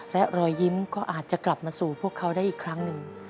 และรอยยิ้มก็อาจจะกลับมาสู่พวกเขาได้อีกครั้งหนึ่ง